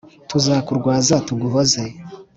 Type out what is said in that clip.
tuzakurwaza tuguhoze